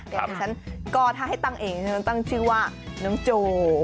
แต่ดิฉันก็ถ้าให้ตั้งเองฉันตั้งชื่อว่าน้องโจ